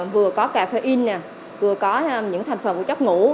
vừa có cà phê in vừa có những thành phần của chất ngũ